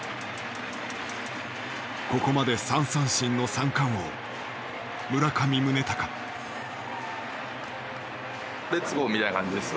ここまで３三振の三冠王村上宗隆。レッツゴー！みたいな感じですよ。